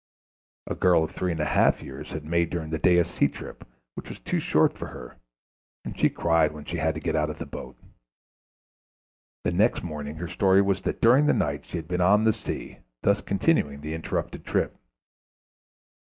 A girl of three and a half years had made during the day a sea trip which was too short for her, and she cried when she had to get out of the boat. The next morning her story was that during the night she had been on the sea, thus continuing the interrupted trip.